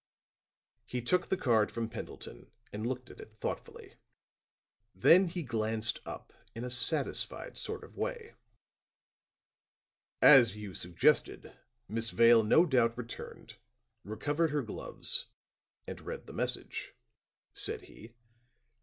He took the card from Pendleton and looked at it thoughtfully. Then he glanced up in a satisfied sort of way: "As you suggested, Miss Vale no doubt returned, recovered her gloves and read the message," said he.